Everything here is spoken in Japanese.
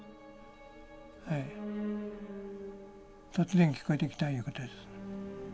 突然聞こえてきたいうことです。